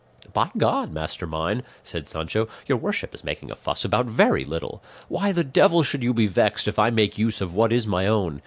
"By God, master mine," said Sancho, "your worship is making a fuss about very little. Why the devil should you be vexed if I make use of what is my own?